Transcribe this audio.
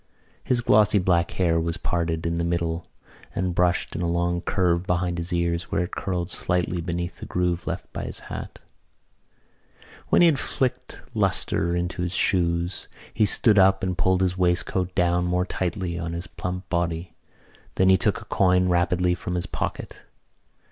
His glossy black hair was parted in the middle and brushed in a long curve behind his ears where it curled slightly beneath the groove left by his hat. When he had flicked lustre into his shoes he stood up and pulled his waistcoat down more tightly on his plump body. Then he took a coin rapidly from his pocket.